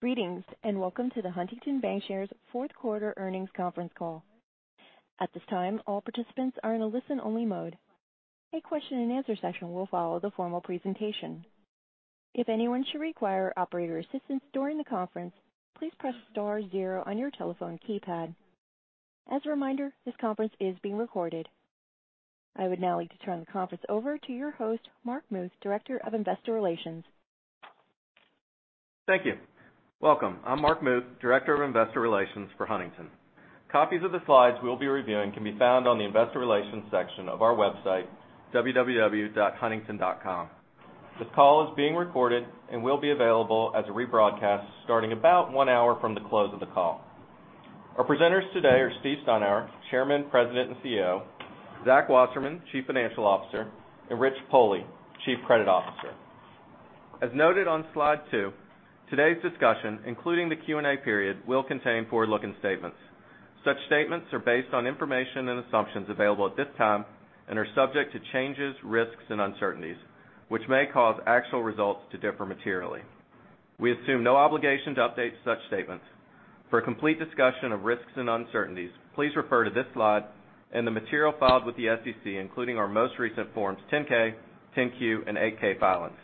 Greetings, and welcome to the Huntington Bancshares Q4 earnings conference call. At this time, all participants are in a listen-only mode. A question and answer session will follow the formal presentation. If anyone should require operator assistance during the conference, please press star zero on your telephone keypad. As a reminder, this conference is being recorded. I would now like to turn the conference over to your host, Mark Muth, Director of Investor Relations. Thank you. Welcome. I'm Mark Muth, Director of Investor Relations for Huntington. Copies of the slides we'll be reviewing can be found on the investor relations section of our website, www.huntington.com. This call is being recorded and will be available as a rebroadcast starting about one hour from the close of the call. Our presenters today are Stephen Steinour, Chairman, President, and CEO, Zachary Wasserman, Chief Financial Officer, and Richard Pohle, Chief Credit Officer. As noted on slide two, today's discussion, including the Q&A period, will contain forward-looking statements. Such statements are based on information and assumptions available at this time and are subject to changes, risks, and uncertainties, which may cause actual results to differ materially. We assume no obligation to update such statements. For a complete discussion of risks and uncertainties, please refer to this slide and the material filed with the SEC, including our most recent Forms 10-K, 10-Q, and 8-K filings.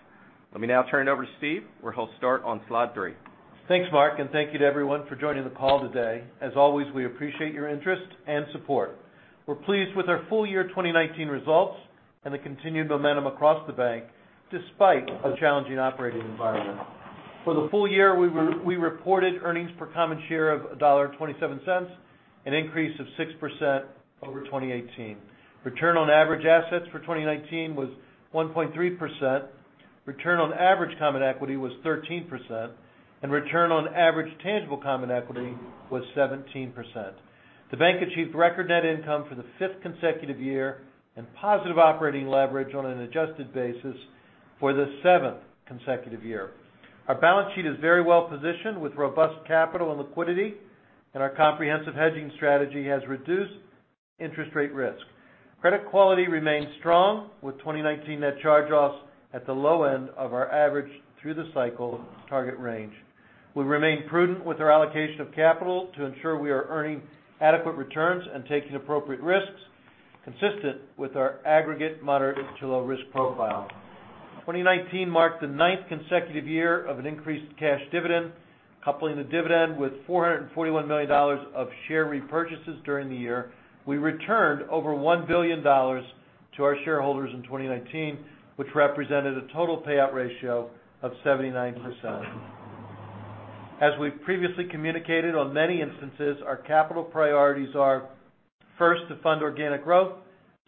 Let me now turn it over to Stephen, where he'll start on slide three. Thanks, Mark, thank you to everyone for joining the call today. As always, we appreciate your interest and support. We're pleased with our full year 2019 results and the continued momentum across the bank, despite a challenging operating environment. For the full year, we reported earnings per common share of $1.27, an increase of 6% over 2018. Return on average assets for 2019 was 1.3%, return on average common equity was 13%, and return on average tangible common equity was 17%. The bank achieved record net income for the fifth consecutive year and positive operating leverage on an adjusted basis for the seventh consecutive year. Our balance sheet is very well-positioned with robust capital and liquidity, and our comprehensive hedging strategy has reduced interest rate risk. Credit quality remains strong with 2019 net charge-offs at the low end of our average through the cycle target range. We remain prudent with our allocation of capital to ensure we are earning adequate returns and taking appropriate risks consistent with our aggregate moderate to low risk profile. 2019 marked the ninth consecutive year of an increased cash dividend. Coupling the dividend with $441 million of share repurchases during the year, we returned over $1 billion to our shareholders in 2019, which represented a total payout ratio of 79%. As we've previously communicated on many instances, our capital priorities are first, to fund organic growth,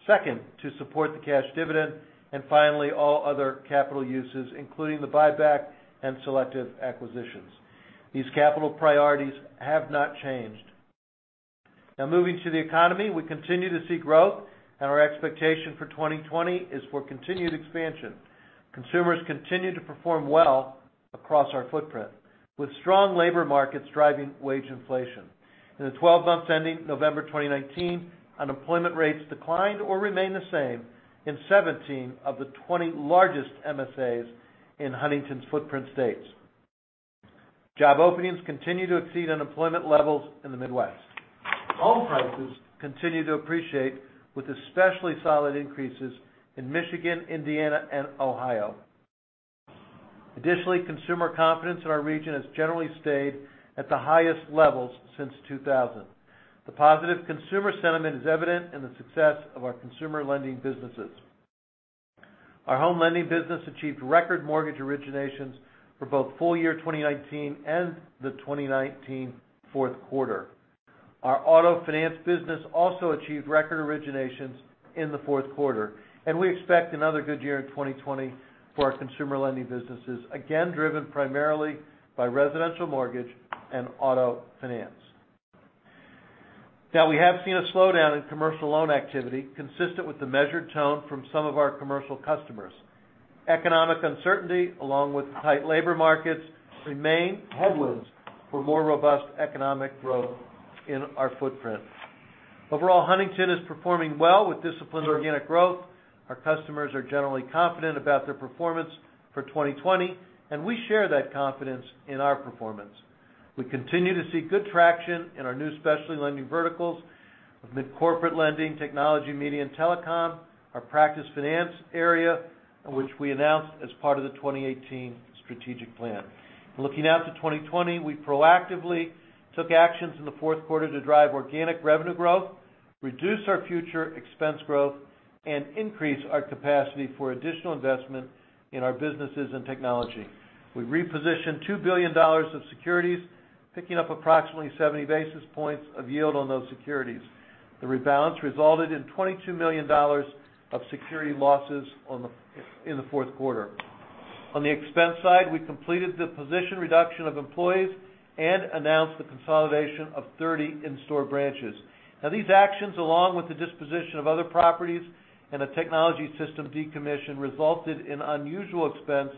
second, to support the cash dividend, and finally, all other capital uses, including the buyback and selective acquisitions. These capital priorities have not changed. Moving to the economy, we continue to see growth, and our expectation for 2020 is for continued expansion. Consumers continue to perform well across our footprint, with strong labor markets driving wage inflation. In the 12 months ending November 2019, unemployment rates declined or remained the same in 17 of the 20 largest MSAs in Huntington's footprint states. Job openings continue to exceed unemployment levels in the Midwest. Home prices continue to appreciate, with especially solid increases in Michigan, Indiana, and Ohio. Additionally, consumer confidence in our region has generally stayed at the highest levels since 2000. The positive consumer sentiment is evident in the success of our consumer lending businesses. Our home lending business achieved record mortgage originations for both full year 2019 and the 2019 Q4. Our auto finance business also achieved record originations in the Q4, and we expect another good year in 2020 for our consumer lending businesses, again driven primarily by residential mortgage and auto finance. We have seen a slowdown in commercial loan activity consistent with the measured tone from some of our commercial customers. Economic uncertainty, along with tight labor markets, remain headwinds for more robust economic growth in our footprint. Overall, Huntington is performing well with disciplined organic growth. Our customers are generally confident about their performance for 2020, we share that confidence in our performance. We continue to see good traction in our new specialty lending verticals with mid-corporate lending, technology, media, and telecom, our practice finance area, which we announced as part of the 2018 strategic plan. Looking out to 2020, we proactively took actions in the Q4 to drive organic revenue growth, reduce our future expense growth, and increase our capacity for additional investment in our businesses and technology. We repositioned $2 billion of securities, picking up approximately 70 basis points of yield on those securities. The rebalance resulted in $22 million of security losses in the Q4. On the expense side, we completed the position reduction of employees and announced the consolidation of 30 in-store branches. These actions, along with the disposition of other properties and a technology system decommission, resulted in unusual expense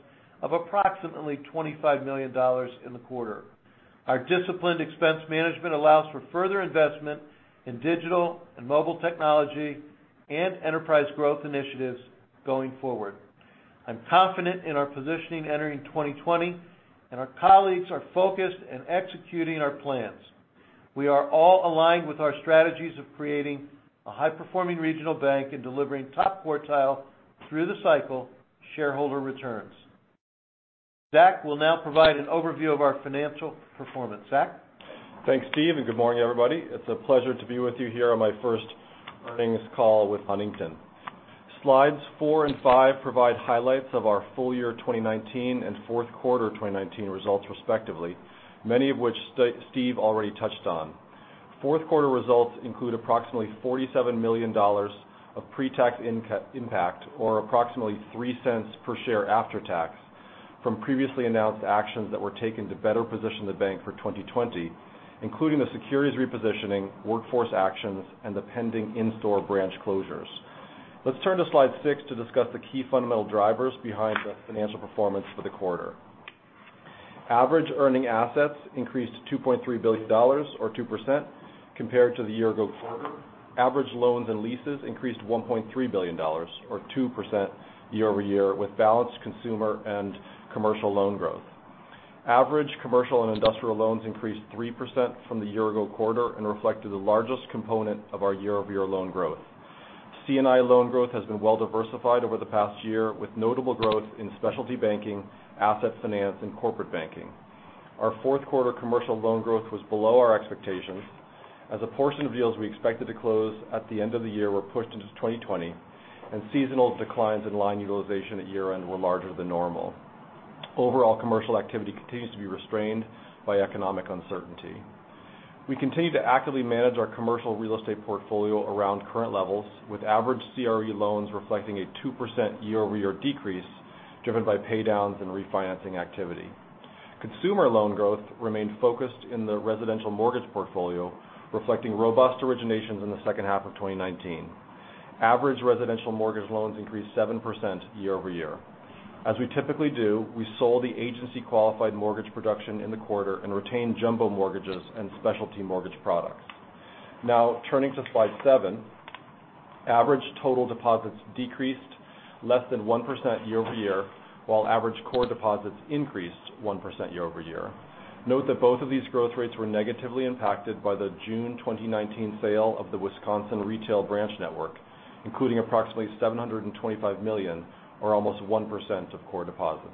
of approximately $25 million in the quarter. Our disciplined expense management allows for further investment in digital and mobile technology and enterprise growth initiatives going forward. I'm confident in our positioning entering 2020, and our colleagues are focused and executing our plans. We are all aligned with our strategies of creating a high-performing regional bank and delivering top quartile through the cycle shareholder returns. Zachary will now provide an overview of our financial performance. Zachary? Thanks, Stephen. Good morning, everybody. It's a pleasure to be with you here on my first earnings call with Huntington. Slides four and five provide highlights of our full year 2019 and Q4 2019 results respectively, many of which Steve already touched on. Q4 results include approximately $47 million of pre-tax impact, or approximately $0.03 per share after tax from previously announced actions that were taken to better position the bank for 2020, including the securities repositioning, workforce actions, and the pending in-store branch closures. Let's turn to slide six to discuss the key fundamental drivers behind the financial performance for the quarter. Average earning assets increased to $2.3 billion, or 2%, compared to the year-ago quarter. Average loans and leases increased to $1.3 billion, or 2% year-over-year, with balanced consumer and commercial loan growth. Average commercial and industrial loans increased 3% from the year-ago quarter and reflected the largest component of our year-over-year loan growth. C&I loan growth has been well diversified over the past year, with notable growth in specialty banking, asset finance, and corporate banking. Our Q4 commercial loan growth was below our expectations as a portion of deals we expected to close at the end of the year were pushed into 2020, and seasonal declines in line utilization at year-end were larger than normal. Overall commercial activity continues to be restrained by economic uncertainty. We continue to actively manage our commercial real estate portfolio around current levels, with average CRE loans reflecting a 2% year-over-year decrease driven by paydowns and refinancing activity. Consumer loan growth remained focused in the residential mortgage portfolio, reflecting robust originations in the H2 of 2019. Average residential mortgage loans increased 7% year-over-year. As we typically do, we sold the agency-qualified mortgage production in the quarter and retained jumbo mortgages and specialty mortgage products. Now turning to slide seven. Average total deposits decreased less than 1% year-over-year, while average core deposits increased 1% year-over-year. Note that both of these growth rates were negatively impacted by the June 2019 sale of the Wisconsin retail branch network, including approximately $725 million, or almost 1%, of core deposits.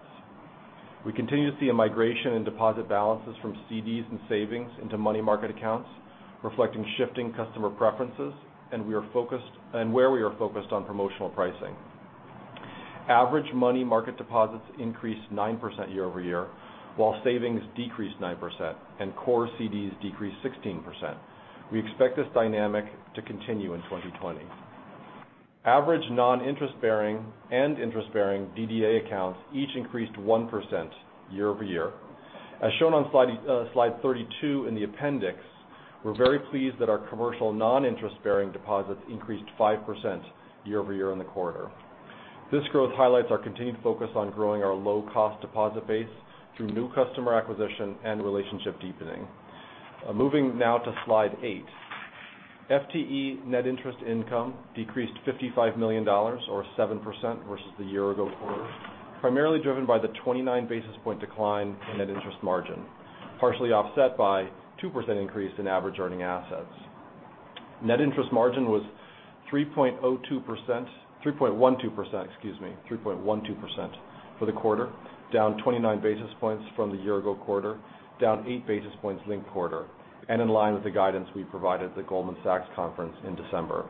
We continue to see a migration in deposit balances from CDs and savings into money market accounts, reflecting shifting customer preferences, and where we are focused on promotional pricing. Average money market deposits increased 9% year-over-year, while savings decreased 9%, and core CDs decreased 16%. We expect this dynamic to continue in 2020. Average non-interest-bearing and interest-bearing DDA accounts each increased 1% year-over-year. As shown on slide 32 in the appendix, we're very pleased that our commercial non-interest-bearing deposits increased 5% year-over-year in the quarter. This growth highlights our continued focus on growing our low-cost deposit base through new customer acquisition and relationship deepening. Moving now to slide eight. FTE net interest income decreased $55 million, or 7%, versus the year-ago quarter, primarily driven by the 29 basis point decline in net interest margin, partially offset by 2% increase in average earning assets. Net interest margin was 3.02% 3.12%, excuse me, 3.12% for the quarter, down 29 basis points from the year-ago quarter, down eight basis points linked quarter, and in line with the guidance we provided at the Goldman Sachs conference in December.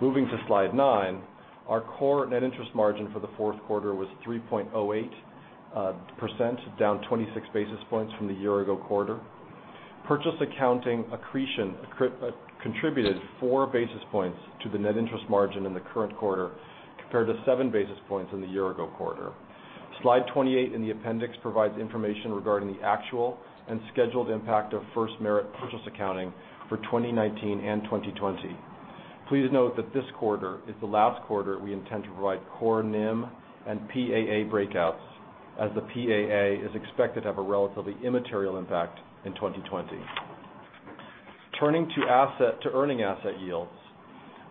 Moving to slide nine, our core net interest margin for the Q4 was 3.08%, down 26 basis points from the year-ago quarter. Purchase accounting accretion contributed four basis points to the net interest margin in the current quarter, compared to seven basis points in the year-ago quarter. Slide 28 in the appendix provides information regarding the actual and scheduled impact of FirstMerit purchase accounting for 2019 and 2020. Please note that this quarter is the last quarter we intend to provide core NIM and PAA breakouts, as the PAA is expected to have a relatively immaterial impact in 2020. Turning to earning asset yields,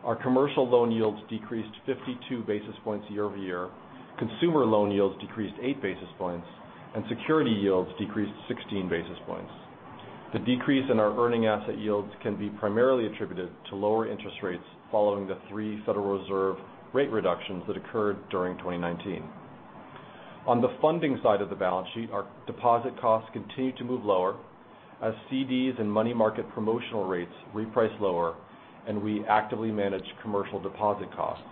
our commercial loan yields decreased 52 basis points year-over-year, consumer loan yields decreased eight basis points, and security yields decreased 16 basis points. The decrease in our earning asset yields can be primarily attributed to lower interest rates following the three Federal Reserve rate reductions that occurred during 2019. On the funding side of the balance sheet, our deposit costs continued to move lower as CDs and money market promotional rates reprice lower, and we actively manage commercial deposit costs.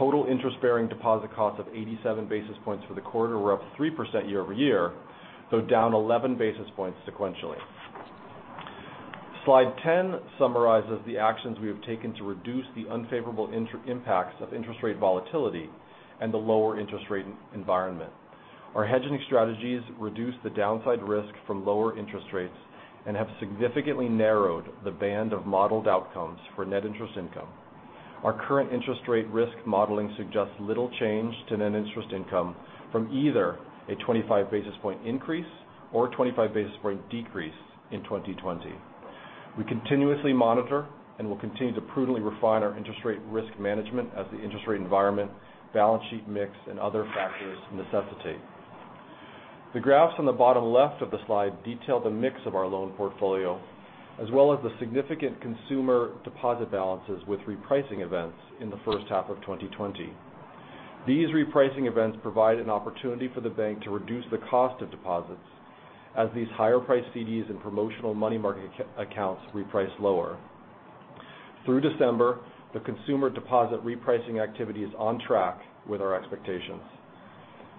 Total interest-bearing deposit costs of 87 basis points for the quarter were up 3% year-over-year, though down 11 basis points sequentially. Slide ten summarizes the actions we have taken to reduce the unfavorable impacts of interest rate volatility and the lower interest rate environment. Our hedging strategies reduce the downside risk from lower interest rates and have significantly narrowed the band of modeled outcomes for net interest income. Our current interest rate risk modeling suggests little change to net interest income from either a 25 basis point increase or a 25 basis point decrease in 2020. We continuously monitor and will continue to prudently refine our interest rate risk management as the interest rate environment, balance sheet mix, and other factors necessitate. The graphs on the bottom left of the slide detail the mix of our loan portfolio, as well as the significant consumer deposit balances with repricing events in the H1 of 2020. These repricing events provide an opportunity for the bank to reduce the cost of deposits as these higher price CDs and promotional money market accounts reprice lower. Through December, the consumer deposit repricing activity is on track with our expectations.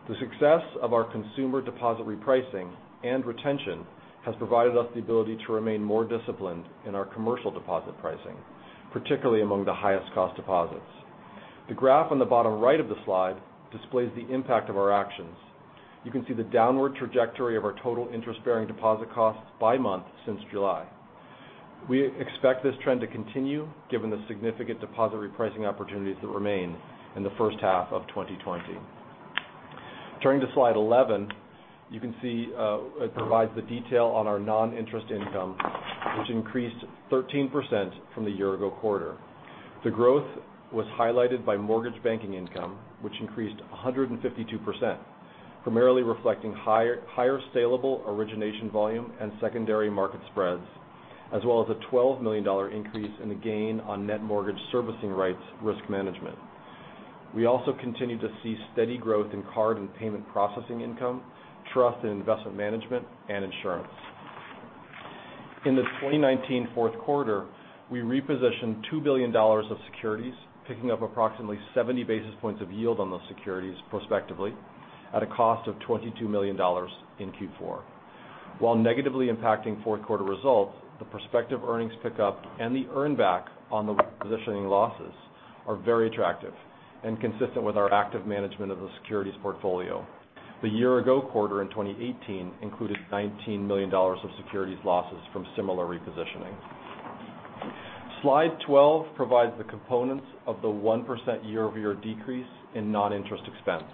The success of our consumer deposit repricing and retention has provided us the ability to remain more disciplined in our commercial deposit pricing, particularly among the highest cost deposits. The graph on the bottom right of the slide displays the impact of our actions. You can see the downward trajectory of our total interest-bearing deposit costs by month since July. We expect this trend to continue given the significant deposit repricing opportunities that remain in the H1 of 2020. Turning to slide 11, you can see it provides the detail on our non-interest income, which increased 13% from the year ago quarter. The growth was highlighted by mortgage banking income, which increased 152%, primarily reflecting higher salable origination volume and secondary market spreads, as well as a $12 million increase in the gain on net mortgage servicing rights risk management. We also continue to see steady growth in card and payment processing income, trust and investment management, and insurance. In the 2019 Q4, we repositioned $2 billion of securities, picking up approximately 70 basis points of yield on those securities prospectively at a cost of $22 million in Q4. While negatively impacting Q4 results, the prospective earnings pickup and the earn back on the repositioning losses are very attractive and consistent with our active management of the securities portfolio. The year ago quarter in 2018 included $19 million of securities losses from similar repositioning. Slide 12 provides the components of the 1% year-over-year decrease in non-interest expense.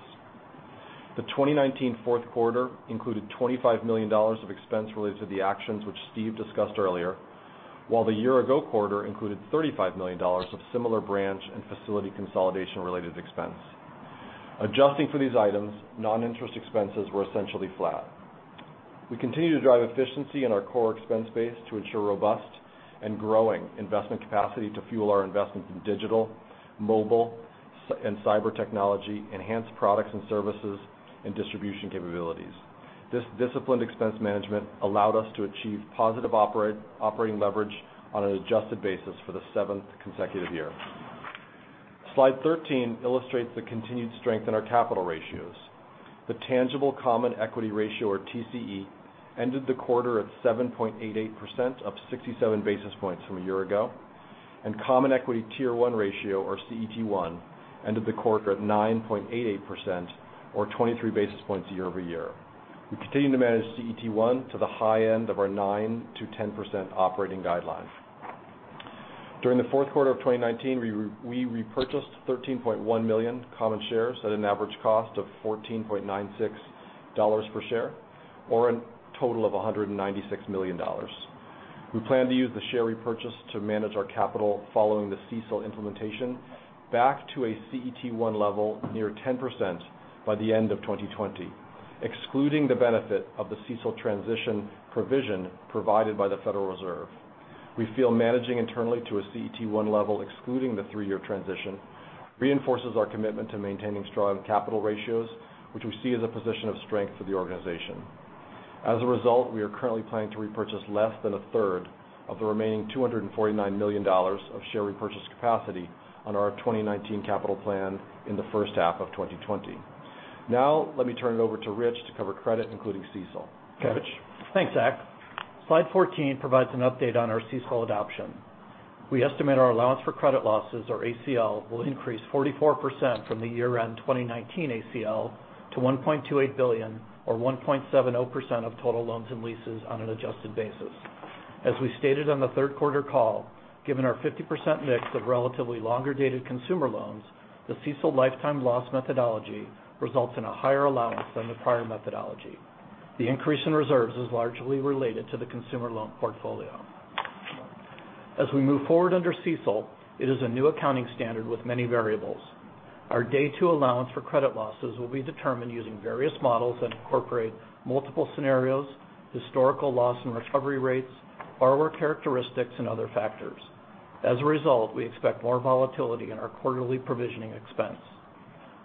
The 2019 Q4 included $25 million of expense related to the actions which Stephen discussed earlier, while the year ago quarter included $35 million of similar branch and facility consolidation-related expense. Adjusting for these items, non-interest expenses were essentially flat. We continue to drive efficiency in our core expense base to ensure robust and growing investment capacity to fuel our investments in digital, mobile, and cyber technology, enhance products and services, and distribution capabilities. This disciplined expense management allowed us to achieve positive operating leverage on an adjusted basis for the seventh consecutive year. Slide 13 illustrates the continued strength in our capital ratios. The tangible common equity ratio, or TCE, ended the quarter at 7.88%, up 67 basis points from a year ago, and common equity tier one ratio, or CET1, ended the quarter at 9.88%, or 23 basis points year-over-year. We continue to manage CET1 to the high end of our 9%-10% operating guidelines. During the Q4 of 2019, we repurchased 13.1 million common shares at an average cost of $14.96 per share, or a total of $196 million. We plan to use the share repurchase to manage our capital following the CECL implementation back to a CET1 level near 10% by the end of 2020, excluding the benefit of the CECL transition provision provided by the Federal Reserve. We feel managing internally to a CET1 level, excluding the three-year transition, reinforces our commitment to maintaining strong capital ratios, which we see as a position of strength for the organization. As a result, we are currently planning to repurchase less than a third of the remaining $249 million of share repurchase capacity on our 2019 capital plan in the H1 of 2020. Now let me turn it over to Richard to cover credit, including CECL. Rich? Thanks, Zachary. Slide 14 provides an update on our CECL adoption. We estimate our allowance for credit losses, or ACL, will increase 44% from the year-end 2019 ACL to $1.28 billion or 1.70% of total loans and leases on an adjusted basis. As we stated on the Q3 call, given our 50% mix of relatively longer-dated consumer loans, the CECL lifetime loss methodology results in a higher allowance than the prior methodology. The increase in reserves is largely related to the consumer loan portfolio. As we move forward under CECL, it is a new accounting standard with many variables. Our Day-two allowance for credit losses will be determined using various models that incorporate multiple scenarios, historical loss and recovery rates, borrower characteristics, and other factors. As a result, we expect more volatility in our quarterly provisioning expense.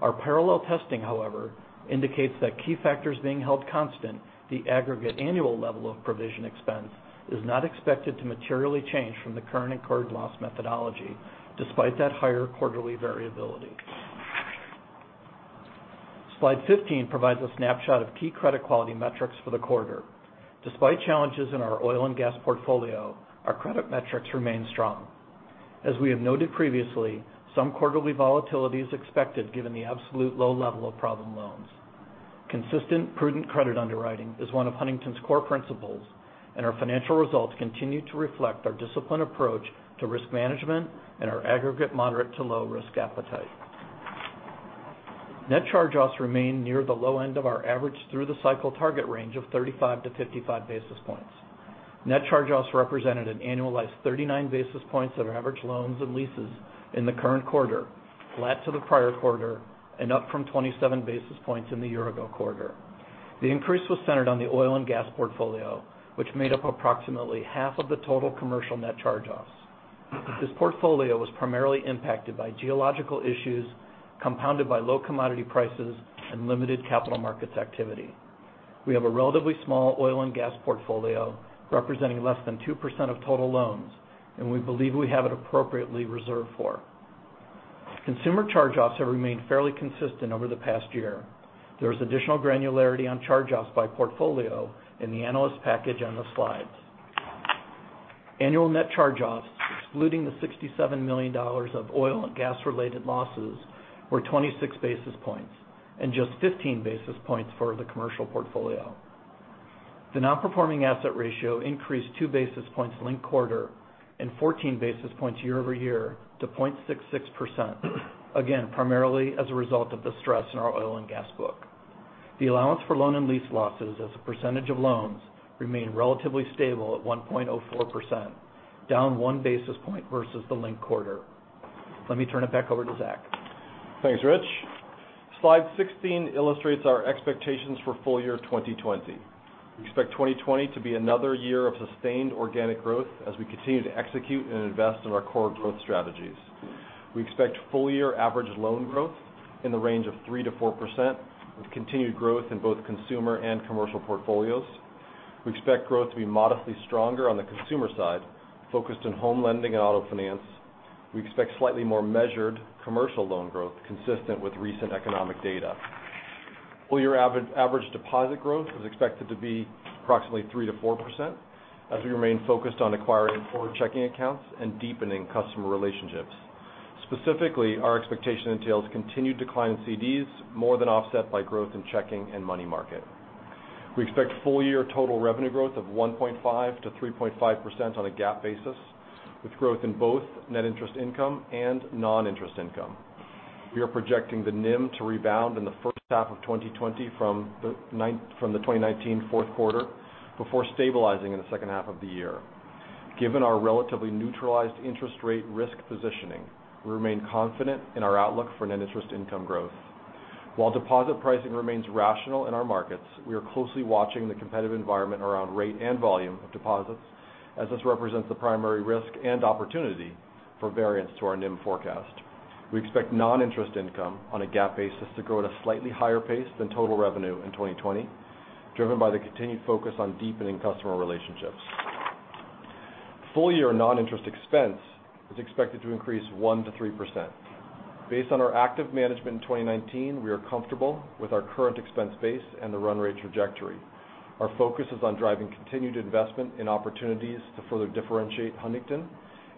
Our parallel testing, however, indicates that key factors being held constant, the aggregate annual level of provision expense is not expected to materially change from the current incurred loss methodology, despite that higher quarterly variability. Slide 15 provides a snapshot of key credit quality metrics for the quarter. Despite challenges in our oil and gas portfolio, our credit metrics remain strong. As we have noted previously, some quarterly volatility is expected given the absolute low level of problem loans. Consistent prudent credit underwriting is one of Huntington's core principles, and our financial results continue to reflect our disciplined approach to risk management and our aggregate moderate to low risk appetite. Net charge-offs remain near the low end of our average through the cycle target range of 35 to 55 basis points. Net charge-offs represented an annualized 39 basis points of average loans and leases in the current quarter, flat to the prior quarter, and up from 27 basis points in the year-ago quarter. The increase was centered on the oil and gas portfolio, which made up approximately half of the total commercial net charge-offs. This portfolio was primarily impacted by geological issues, compounded by low commodity prices and limited capital markets activity. We have a relatively small oil and gas portfolio representing less than 2% of total loans, and we believe we have it appropriately reserved for. Consumer charge-offs have remained fairly consistent over the past year. There is additional granularity on charge-offs by portfolio in the analyst package on the slides. Annual net charge-offs, excluding the $67 million of oil and gas related losses, were 26 basis points, and just 15 basis points for the commercial portfolio. The non-performing asset ratio increased two basis points linked quarter, and 14 basis points year-over-year to 0.66%, again, primarily as a result of the stress in our oil and gas book. The allowance for loan and lease losses as a percentage of loans remained relatively stable at 1.04%, down one basis point versus the linked quarter. Let me turn it back over to Zachary. Thanks, Richard. Slide 16 illustrates our expectations for full year 2020. We expect 2020 to be another year of sustained organic growth as we continue to execute and invest in our core growth strategies. We expect full year average loan growth in the range of 3% to 4%, with continued growth in both consumer and commercial portfolios. We expect growth to be modestly stronger on the consumer side, focused on home lending and auto finance. We expect slightly more measured commercial loan growth consistent with recent economic data. Full year average deposit growth is expected to be approximately 3% to 4% as we remain focused on acquiring forward checking accounts and deepening customer relationships. Specifically, our expectation entails continued decline in CDs, more than offset by growth in checking and money market. We expect full year total revenue growth of 1.5% to 3.5% on a GAAP basis, with growth in both net interest income and non-interest income. We are projecting the NIM to rebound in the H1 of 2020 from the 2019 Q4 before stabilizing in the H2 of the year. Given our relatively neutralized interest rate risk positioning, we remain confident in our outlook for net interest income growth. While deposit pricing remains rational in our markets, we are closely watching the competitive environment around rate and volume of deposits, as this represents the primary risk and opportunity for variance to our NIM forecast. We expect non-interest income on a GAAP basis to grow at a slightly higher pace than total revenue in 2020, driven by the continued focus on deepening customer relationships. Full year non-interest expense is expected to increase 1% to 3%. Based on our active management in 2019, we are comfortable with our current expense base and the run rate trajectory. Our focus is on driving continued investment in opportunities to further differentiate Huntington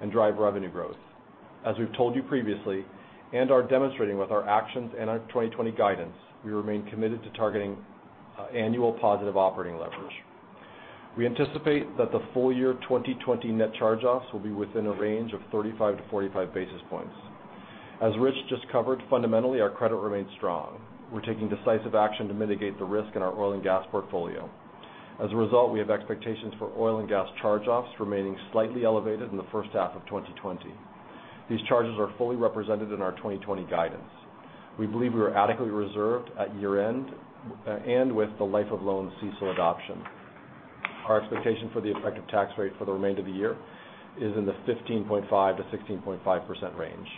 and drive revenue growth. As we've told you previously, and are demonstrating with our actions and our 2020 guidance, we remain committed to targeting annual positive operating leverage. We anticipate that the full year 2020 net charge-offs will be within a range of 35 to 45 basis points. As Rich just covered, fundamentally, our credit remains strong. We're taking decisive action to mitigate the risk in our oil and gas portfolio. As a result, we have expectations for oil and gas charge-offs remaining slightly elevated in the H1 of 2020. These charges are fully represented in our 2020 guidance. We believe we are adequately reserved at year end and with the life of loan CECL adoption. Our expectation for the effective tax rate for the remainder of the year is in the 15.5% to 16.5% range.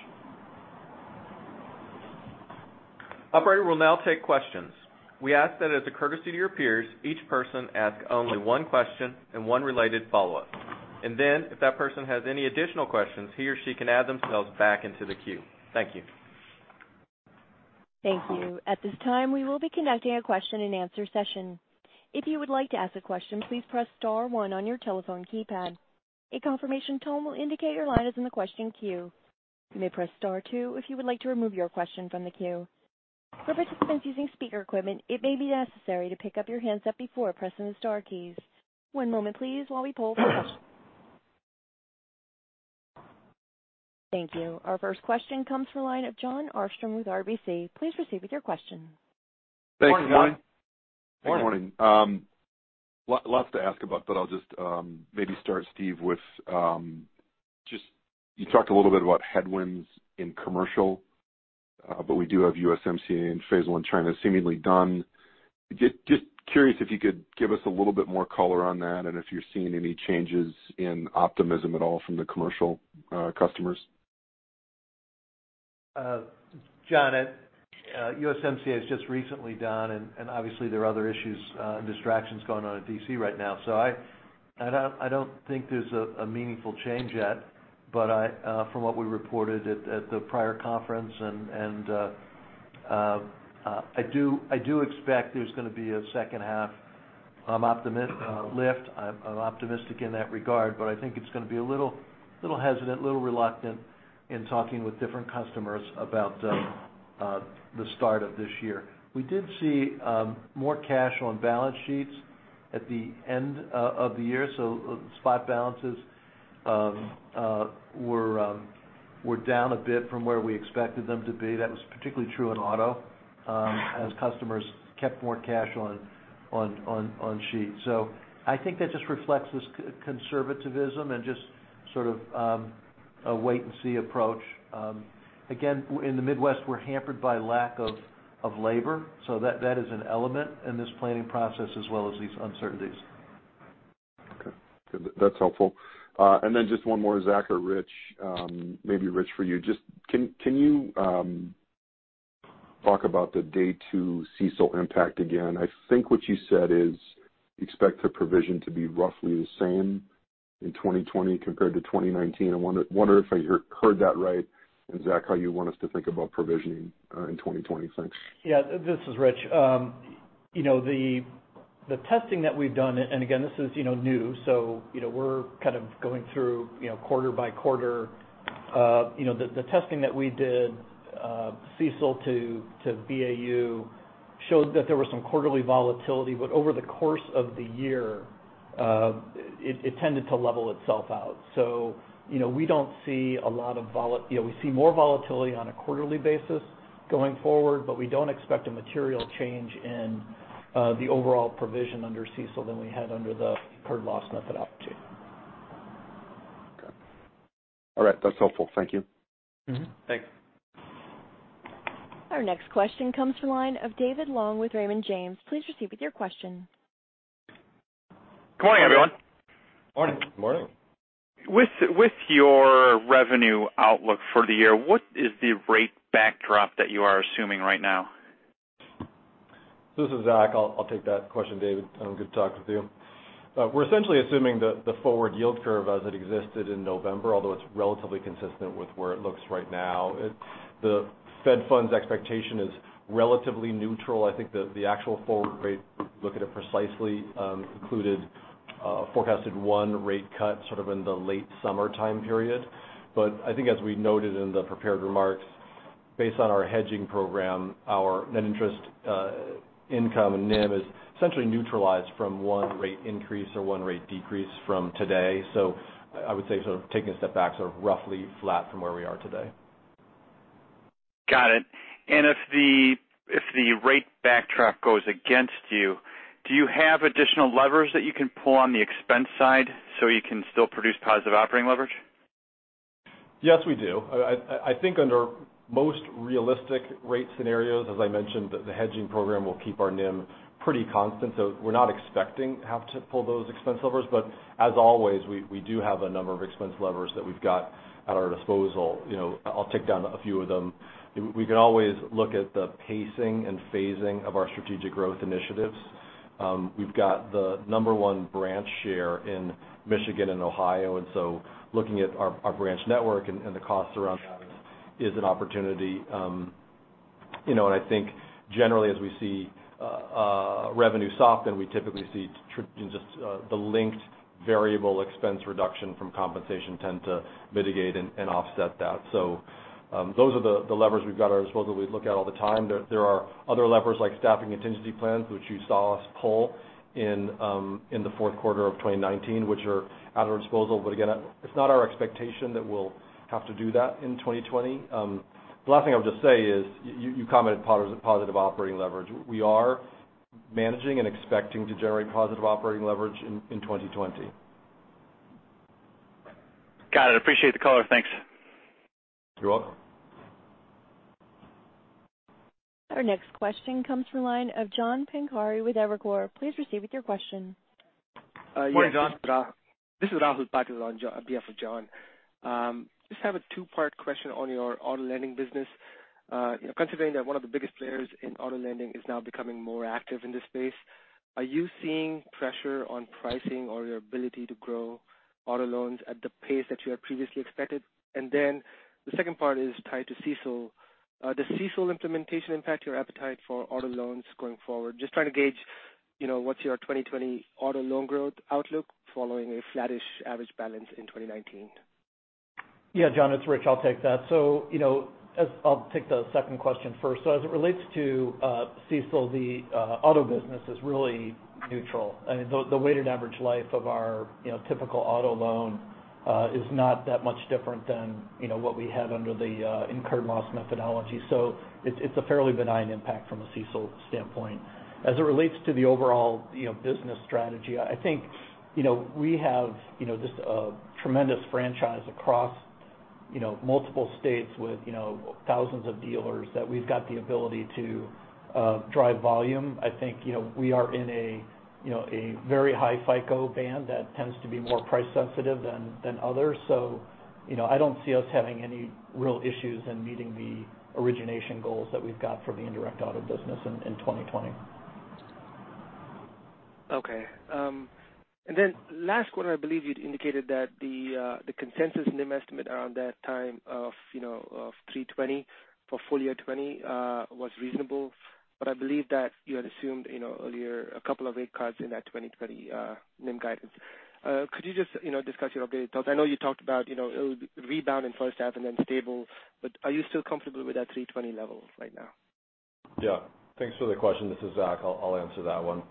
Operator, we'll now take questions. We ask that as a courtesy to your peers, each person ask only one question and one related follow-up. If that person has any additional questions, he or she can add themselves back into the queue. Thank you. Thank you. At this time, we will be conducting a question and answer session. If you would like to ask a question, please press star one on your telephone keypad. A confirmation tone will indicate your line is in the question queue. You may press star two if you would like to remove your question from the queue. For participants using speaker equipment, it may be necessary to pick up your handset before pressing the star keys. One moment please while we poll for questions. Thank you. Our first question comes from the line of Jon Arfstrom with RBC Capital Markets. Please proceed with your question. Thanks, Jon. Good morning. Good morning. Lots to ask about, but I'll just maybe start, Stephen, with just, you talked a little bit about headwinds in commercial, but we do have USMCA in Phase I, China seemingly done. Just curious if you could give us a little bit more color on that and if you're seeing any changes in optimism at all from the commercial customers? Jon, USMCA is just recently done, and obviously there are other issues and distractions going on in D.C. right now. I don't think there's a meaningful change yet. From what we reported at the prior conference, and I do expect there's going to be a H2. I'm optimistic in that regard, but I think it's going to be a little hesitant, little reluctant in talking with different customers about the start of this year. We did see more cash on balance sheets at the end of the year, so spot balances were down a bit from where we expected them to be. That was particularly true in auto as customers kept more cash on sheet. I think that just reflects this conservatism and just sort of a wait and see approach. Again, in the Midwest, we're hampered by lack of labor. So that is an element in this planning process as well as these uncertainties. Okay. Good. That's helpful. Just one more, Zachary or Richard, maybe Richard for you. Can you talk about the day two CECL impact again? I think what you said is you expect the provision to be roughly the same in 2020 compared to 2019. I wonder if I heard that right. Zachary, how you want us to think about provisioning in 2020? Thanks. This is Richard. The testing that we've done, and again, this is new, we're kind of going through quarter by quarter. The testing that we did, CECL to BAU showed that there was some quarterly volatility, over the course of the year, it tended to level itself out. We see more volatility on a quarterly basis going forward, we don't expect a material change in the overall provision under CECL than we had under the incurred loss methodology. Okay. All right. That's helpful. Thank you. Thanks. Our next question comes from the line of David Long with Raymond James. Please proceed with your question. Good morning, everyone. Morning. Morning. With your revenue outlook for the year, what is the rate backdrop that you are assuming right now? This is Zachary. I'll take that question, David. Good to talk with you. We're essentially assuming the forward yield curve as it existed in November, although it's relatively consistent with where it looks right now. The Fed funds expectation is relatively neutral. I think the actual forward rate, look at it precisely, included forecasted one rate cut sort of in the late summertime period. But I think as we noted in the prepared remarks, based on our hedging program, our net interest income and NIM is essentially neutralized from one rate increase or one rate decrease from today. So I would say sort of taking a step back, sort of roughly flat from where we are today. Got it. If the rate backtrack goes against you, do you have additional levers that you can pull on the expense side so you can still produce positive operating leverage? Yes, we do. I think under most realistic rate scenarios, as I mentioned, the hedging program will keep our NIM pretty constant. We're not expecting to have to pull those expense levers. As always, we do have a number of expense levers that we've got at our disposal. I'll tick down a few of them. We can always look at the pacing and phasing of our strategic growth initiatives. We've got the number one branch share in Michigan and Ohio, looking at our branch network and the costs around that is an opportunity. I think generally as we see revenue soften, we typically see just the linked variable expense reduction from compensation tend to mitigate and offset that. Those are the levers we've got at our disposal we look at all the time. There are other levers like staffing contingency plans, which you saw us pull in the Q4 of 2019, which are at our disposal. Again, it's not our expectation that we'll have to do that in 2020. The last thing I'll just say is you commented positive operating leverage. We are managing and expecting to generate positive operating leverage in 2020. Got it. Appreciate the call. Thanks. You're welcome. Our next question comes from the line of John Patil with Evercore ISI. Please proceed with your question. Morning, John. This is Rahul Patil on behalf of John. Just have a two-part question on your auto lending business. Considering that one of the biggest players in auto lending is now becoming more active in this space, are you seeing pressure on pricing or your ability to grow auto loans at the pace that you had previously expected? And then the second part is tied to CECL. Does CECL implementation impact your appetite for auto loans going forward? Just trying to gauge what's your 2020 auto loan growth outlook following a flattish average balance in 2019? Yeah. Jon, it's Richard. I'll take that. I'll take the second question first. As it relates to CECL, the auto business is really neutral. The weighted average life of our typical auto loan is not that much different than what we had under the incurred loss methodology. It's a fairly benign impact from a CECL standpoint. As it relates to the overall business strategy, I think we have just a tremendous franchise across multiple states with thousands of dealers that we've got the ability to drive volume. I think we are in a very high FICO band that tends to be more price sensitive than others. I don't see us having any real issues in meeting the origination goals that we've got for the indirect auto business in 2020. Okay. Then last quarter, I believe you'd indicated that the consensus NIM estimate around that time of three point two zero for full year 2020 was reasonable. I believe that you had assumed earlier a couple of rate cuts in that 2020 NIM guidance. Could you just discuss your updated thoughts? I know you talked about it would rebound in H1 and then stable, are you still comfortable with that three point two zero level right now? Yeah. Thanks for the question. This is Zachary. I'll answer that one.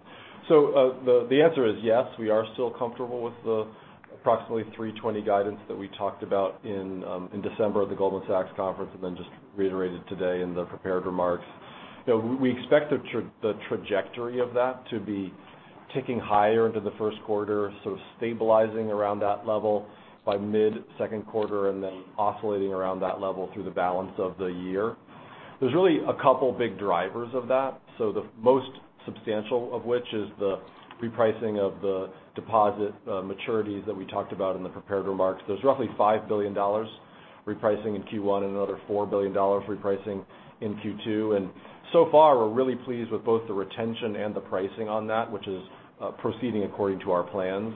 The answer is yes, we are still comfortable with the approximately 320 guidance that we talked about in December at the Goldman Sachs conference, and then just reiterated today in the prepared remarks. We expect the trajectory of that to be ticking higher into the Q1, stabilizing around that level by mid-Q2 and then oscillating around that level through the balance of the year. There's really a couple big drivers of that. The most substantial of which is the repricing of the deposit maturities that we talked about in the prepared remarks. There's roughly $5 billion repricing in Q1 and another $4 billion repricing in Q2. So far, we're really pleased with both the retention and the pricing on that, which is proceeding according to our plans.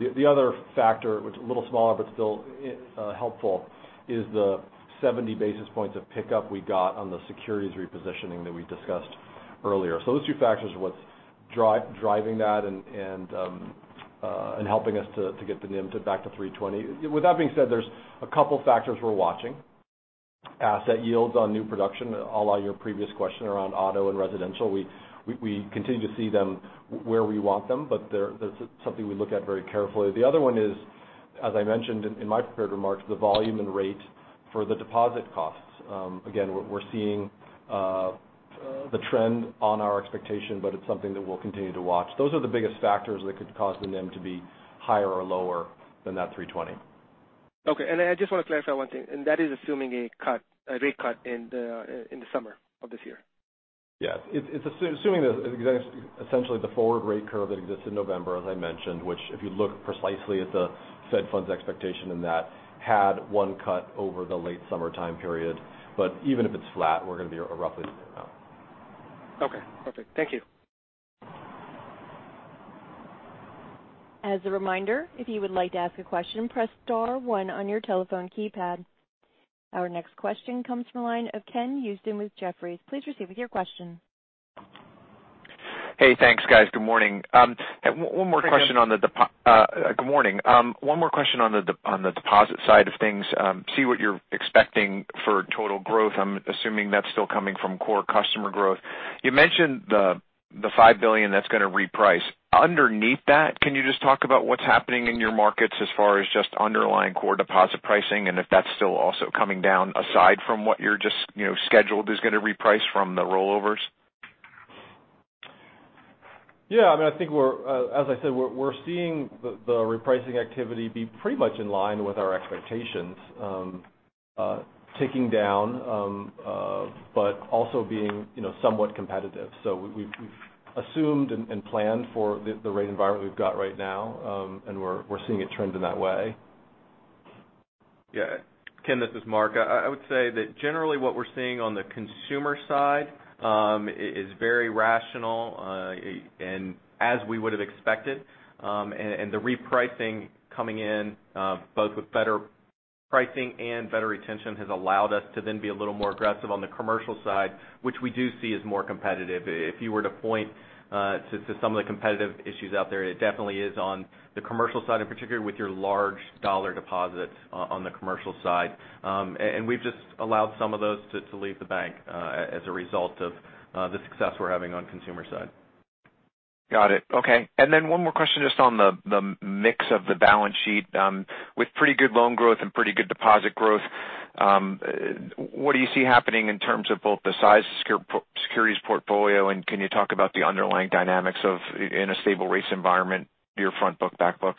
The other factor, it's a little smaller but still helpful, is the 70 basis points of pickup we got on the securities repositioning that we discussed earlier. Those two factors are what's driving that and helping us to get the NIM back to 3.20%. With that being said, there's a couple factors we're watching. Asset yields on new production, à la your previous question around auto and residential. We continue to see them where we want them, but that's something we look at very carefully. The other one is, as I mentioned in my prepared remarks, the volume and rate for the deposit costs. Again, we're seeing the trend on our expectation, but it's something that we'll continue to watch. Those are the biggest factors that could cause the NIM to be higher or lower than that 3.20%. Okay. I just want to clarify one thing, and that is assuming a rate cut in the summer of this year. Yes. It's assuming essentially the forward rate curve that exists in November, as I mentioned, which if you look precisely at the Fed funds expectation in that, had one cut over the late summertime period. But even if it's flat, we're going to be at a roughly the same amount. Okay, perfect. Thank you. As a reminder, if you would like to ask a question, press star one on your telephone keypad. Our next question comes from the line of Ken Usdin with Jefferies. Please proceed with your question. Hey, thanks guys. Good morning. Good morning. One more question on the deposit side of things. See what you're expecting for total growth. I'm assuming that's still coming from core customer growth. You mentioned the $5 billion that's going to reprice. Underneath that, can you just talk about what's happening in your markets as far as just underlying core deposit pricing, and if that's still also coming down aside from what you're just scheduled is going to reprice from the rollovers? Yeah. As I said, we're seeing the repricing activity be pretty much in line with our expectations ticking down but also being somewhat competitive. We've assumed and planned for the rate environment we've got right now and we're seeing it trend in that way. Yeah. Ken, this is Mark. I would say that generally what we're seeing on the consumer side is very rational and as we would have expected. The repricing coming in both with better pricing and better retention has allowed us to then be a little more aggressive on the commercial side, which we do see as more competitive. If you were to point to some of the competitive issues out there, it definitely is on the commercial side in particular with your large dollar deposits on the commercial side. We've just allowed some of those to leave the bank as a result of the success we're having on consumer side. Got it. Okay. One more question just on the mix of the balance sheet. With pretty good loan growth and pretty good deposit growth, what do you see happening in terms of both the size securities portfolio and can you talk about the underlying dynamics in a stable rates environment, your front book, back book?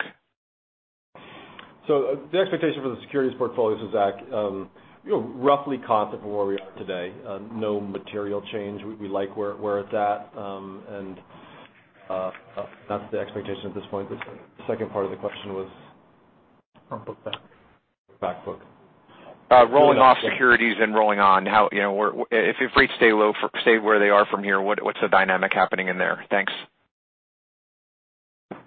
The expectation for the securities portfolio, this is Zach, roughly concept where we are today. No material change. We like where it's at and that's the expectation at this point. The second part of the question was? Front book, back book. Back book. Rolling off securities and rolling on. If rates stay where they are from here, what's the dynamic happening in there? Thanks.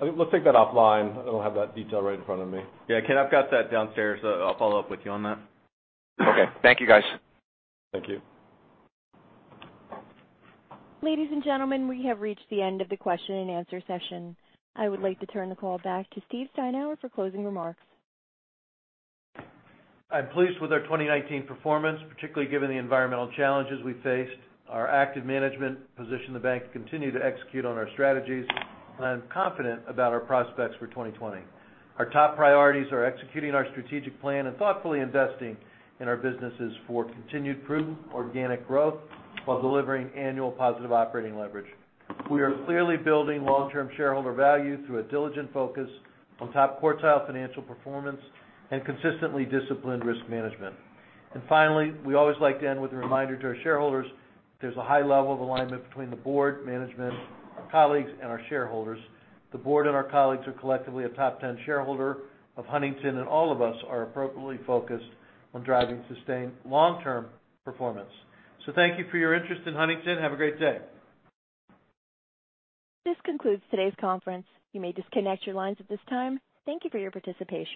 We'll take that offline. I don't have that detail right in front of me. Yeah, Ken, I've got that downstairs. I'll follow up with you on that. Okay. Thank you, guys. Thank you. Ladies and gentlemen, we have reached the end of the question and answer session. I would like to turn the call back to Stephen Steinour for closing remarks. I'm pleased with our 2019 performance, particularly given the environmental challenges we faced. Our active management positioned the bank to continue to execute on our strategies. I'm confident about our prospects for 2020. Our top priorities are executing our strategic plan and thoughtfully investing in our businesses for continued proven organic growth while delivering annual positive operating leverage. We are clearly building long-term shareholder value through a diligent focus on top quartile financial performance and consistently disciplined risk management. Finally, we always like to end with a reminder to our shareholders. There's a high level of alignment between the board, management, colleagues, and our shareholders. The board and our colleagues are collectively a top 10 shareholder of Huntington, and all of us are appropriately focused on driving sustained long-term performance. So thank you for your interest in Huntington. Have a great day. This concludes today's conference. You may disconnect your lines at this time. Thank you for your participation.